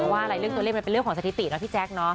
ว่าอะไรเรื่องตัวเลขมันเป็นเรื่องของสถิติเนาะพี่แจ๊คเนอะ